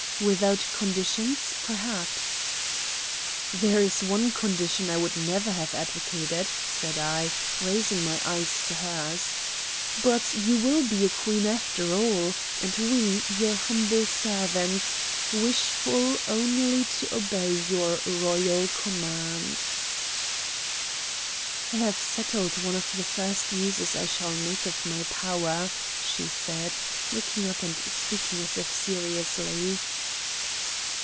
"Without conditions, perhaps." "There is one condition I would never have advocated," said I, raising my eyes to hers. "But you will be a Queen after all, and we your humble servants, wishful only to obey your royal commands." "I have settled one of the first uses I shall make of my power," she said, looking up and speaking as if seriously.